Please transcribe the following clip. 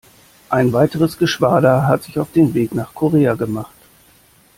Ein weiteres Geschwader hat sich auf den Weg nach Korea gemacht.